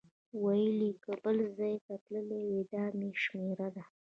ویل یې که بل ځای تللی دا مې شمېره ده.